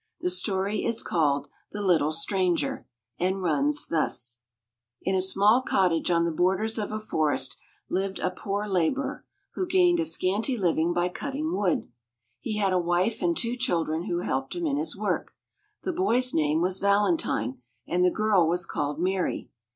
The story is called "The Little Stranger," and runs thus: In a small cottage on the borders of a forest lived a poor laborer, who gained a scanty living by cutting wood. He had a wife and two children who helped him in his work. The boy's name was Valentine, and the girl was called Mary.